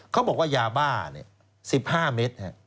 เขาบอกว่ายาบ้า๑๕เมตร